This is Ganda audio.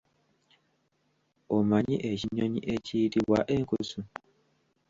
Omanyi ekinyonyi ekiyitibwa enkusu?